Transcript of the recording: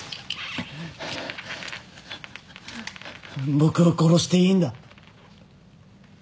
僕を殺していいんだ。